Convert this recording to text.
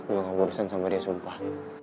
gue gak mau urusan sama dia sumpah